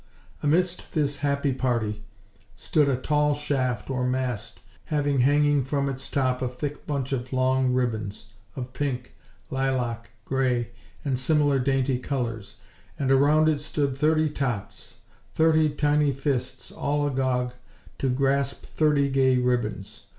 Amidst this happy party stood a tall shaft, or mast, having hanging from its top a thick bunch of long ribbons, of pink, lilac, gray, and similar dainty colors; and around it stood thirty tots thirty tiny fists all agog to grasp thirty gay ribbons.